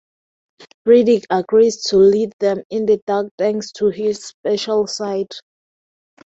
Riddick agrees to lead them in the dark thanks to his special sight.